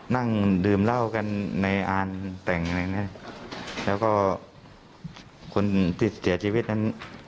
นั่งดื่มเหล้ากันในอ่านแต่งอย่างนี้แล้วก็คุณเสถียรชีวิตนั้น